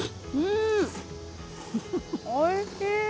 おいしい！